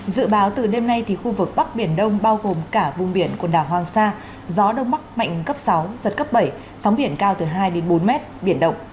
dự báo từ đêm nay thì khu vực bắc biển đông bao gồm cả vùng biển quần đảo hoàng sa gió đông bắc mạnh cấp sáu giật cấp bảy sóng biển cao từ hai đến bốn mét biển động